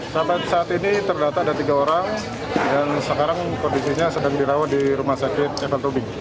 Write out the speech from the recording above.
sampai saat ini terdata ada tiga orang dan sekarang kondisinya sedang dirawat di rumah sakit evan tobing